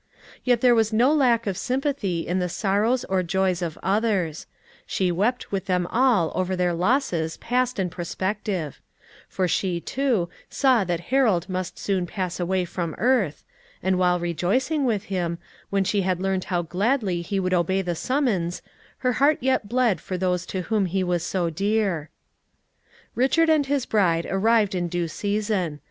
Yet there was no lack of sympathy in the sorrows or joys of others; she wept with them all over their losses past and prospective; for she, too, saw that Harold must soon pass away from earth, and while rejoicing with him, when she learned how gladly he would obey the summons, her heart yet bled for those to whom he was so dear. Richard and his bride arrived in due season.